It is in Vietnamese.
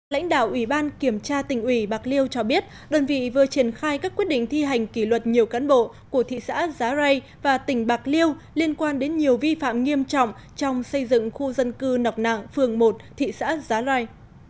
lãnh đạo ủy ban kiểm tra tỉnh ủy bạc liêu cho biết đơn vị vừa triển khai các quyết định thi hành kỷ luật nhiều cán bộ của thị xã giá rai và tỉnh bạc liêu liên quan đến nhiều vi phạm nghiêm trọng trong xây dựng khu dân cư nọc nạng phường một thị xã giá rai